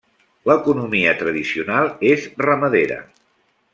L'economia tradicional és ramadera.